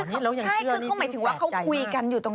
ที่นี่พี่แปดใจคือเค้าหมายถึงว่าเค้าคุยกันอยู่ตรง